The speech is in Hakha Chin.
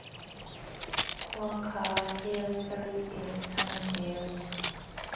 Khua kha hel sarih in an hel.